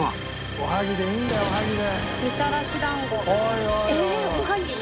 おはぎでいいんだよおはぎで。